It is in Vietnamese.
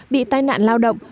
bị tai nạn lao động